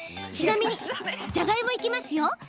ちなみにじゃがいもいきますよ。